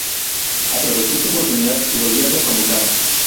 Aprovechó su oportunidad y volvió a ser convocado.